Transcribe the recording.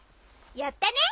やったね！